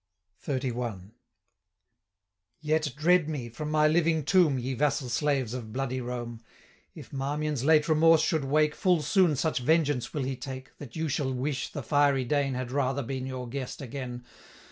XXXI. 'Yet dread me, from my living tomb, Ye vassal slaves of bloody Rome! 570 If Marmion's late remorse should wake, Full soon such vengeance will he take, That you shall wish the fiery Dane Had rather been your guest again.